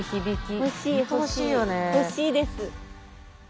ほしいです。